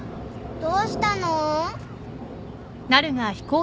どうしたの？